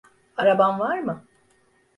Araban var mı?